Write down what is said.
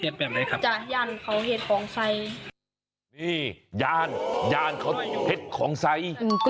นี่ยานเหตุของใส